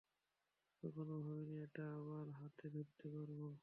কখনো ভাবিনি এটা আবার হাতে ধরতে পারবো।